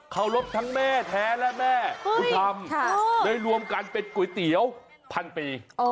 เขารบทั้งแม่แท้และแม่บุญธรรมเลยรวมกันเป็นก๋วยเตี๋ยวพันปี